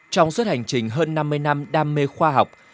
trong suốt hành trình hơn năm mươi năm đam mê khoa học